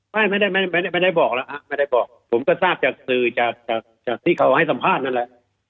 ไม่ได้ไม่ได้บอกแล้วฮะไม่ได้บอกผมก็ทราบจากสื่อจากที่เขาให้สัมภาษณ์นั่นแหละ